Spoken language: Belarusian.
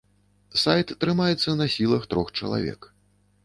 Сайт трымаецца на сілах трох чалавек.